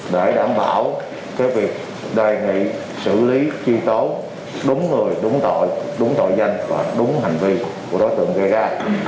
để đảm bảo việc đề nghị xử lý truy tố đúng người đúng tội đúng tội danh và đúng hành vi của đối tượng gây ra